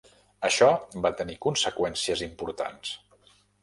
Això va tenir conseqüències importants.